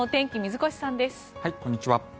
こんにちは。